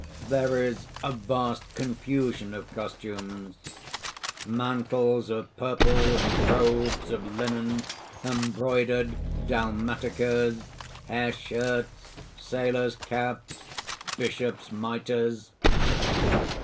There is a vast confusion of costumes, mantles of purple and robes of linen, embroidered dalmaticas, hair shirts, sailors' caps, bishops' mitres.